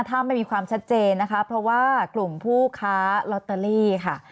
ถ้าไม่มีความชัดเจนนะคะเพราะว่ากลุ่มผู้ค้าลอตเตอรี่ค่ะ